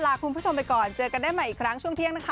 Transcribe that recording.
ลาคุณผู้ชมไปก่อนเจอกันได้ใหม่อีกครั้งช่วงเที่ยงนะคะ